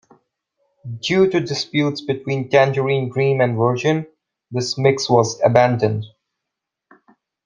Due to disputes between Tangerine Dream and Virgin, this mix was abandoned.